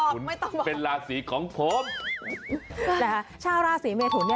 อุ้ยต้องเกาะเอาไว้ดีคนนี้